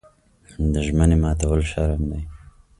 د ژمنې ماتول شرم دی.